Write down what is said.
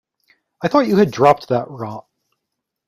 I thought you had dropped that rot.